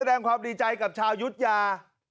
แสดงความดีใจกับชาวยุธยา